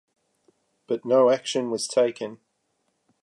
But no action was taken.